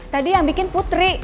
tadi yang bikin putri